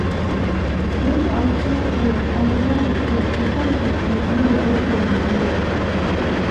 ruto amesema kuwa ana imani kuwa ocampo ametumia ripoti ya tume hiyo